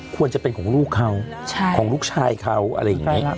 ควรจะเป็นของลูกเขาของลูกชายเขาอะไรอย่างนี้